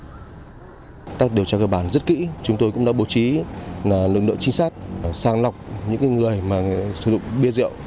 chúng tôi đã điều tra cơ bản rất kỹ chúng tôi cũng đã bù trí lực lượng trinh sát sang lọc những người sử dụng bia rượu